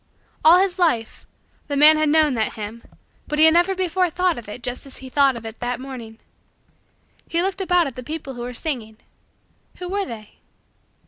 All his life, the man had known that hymn but he had never before thought of it just as he thought of it that morning. He looked about at the people who were singing. Who were they?